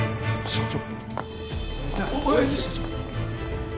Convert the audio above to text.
社長！